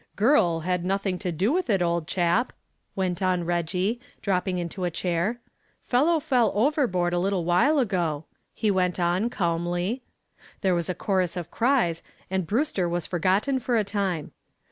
"Girl had nothing to do with it, old chap," went on Reggy, dropping into a chair. "Fellow fell overboard a little while ago," he went on, calmly. There was a chorus of cries and Brewster was forgotten for a time.